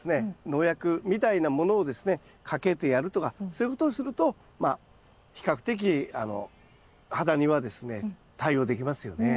農薬みたいなものをですねかけてやるとかそういうことをするとまあ比較的ハダニはですね対応できますよね。